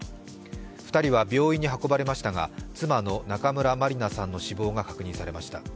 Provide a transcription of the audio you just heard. ２人は病院に運ばれましたが、妻の中村まりなさんの死亡が確認されました。